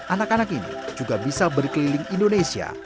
anak anak ini juga bisa berkeliling indonesia